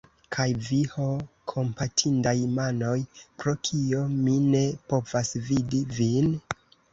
Kaj vi, ho, kompatindaj manoj, pro kio mi ne povas vidi vin?